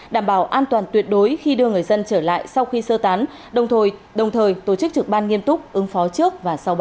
đảm bảo an toàn tuyệt đối khi đưa người dân trở lại sau khi sơ tán đồng thời đồng thời tổ chức trực ban nghiêm túc ứng phó trước và sau bão